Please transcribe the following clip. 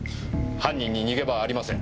犯人に逃げ場はありません。